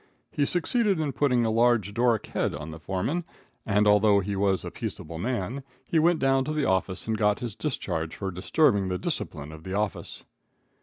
He succeeded in putting a large doric head on the foreman, and although he was a peaceable man, he went down to the office and got his discharge for disturbing the discipline of the office.